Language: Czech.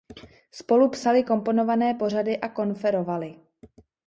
Spolu psali komponované pořady a konferovali.